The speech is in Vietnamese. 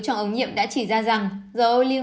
trong ống nhiệm đã chỉ ra rằng dầu ô lưu